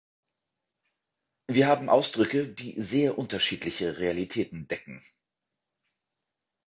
Wir haben Ausdrücke, die sehr unterschiedliche Realitäten decken.